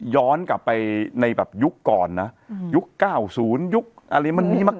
ย้อนกลับไปในแบบยุคก่อนน่ะอืมยุคเก้าศูนย์ยุคอะไรมันมีมา